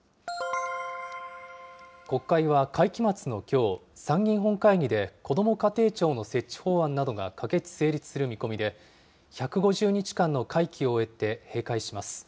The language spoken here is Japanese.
国会は会期末のきょう、参議院本会議で、こども家庭庁の設置法案などが可決・成立する見込みで、１５０日間の会期を終えて閉会します。